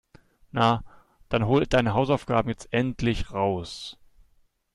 Na, dann hol deine Hausaufgaben jetzt endlich raus.